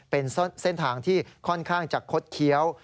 เป็นเส้นทางที่ค่อนข้างจะคดเคี้ยว